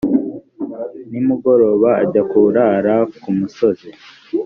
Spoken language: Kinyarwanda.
nimugoroba ajya kurara ku musozi.